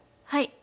はい。